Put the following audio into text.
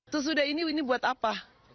tersudah ini ini buat apa